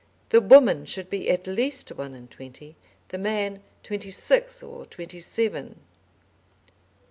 The woman should be at least one and twenty; the man twenty six or twenty seven.